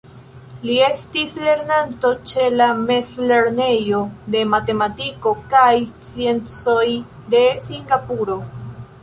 Li estis lernanto ĉe la Mezlernejo de Matematiko kaj Scienco de Singapuro.